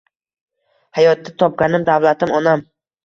Hayotda topganim davlatim onam